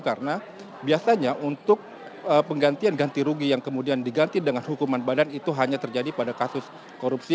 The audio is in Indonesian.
karena biasanya untuk penggantian ganti rugi yang kemudian diganti dengan hukuman badan itu hanya terjadi pada kasus korupsi